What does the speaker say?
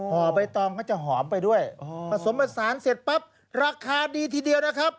ใบตองก็จะหอมไปด้วยผสมผสานเสร็จปั๊บราคาดีทีเดียวนะครับ